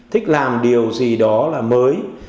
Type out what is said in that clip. thích làm điều gì đó là mới